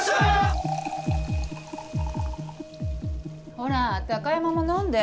ほら貴山も飲んで。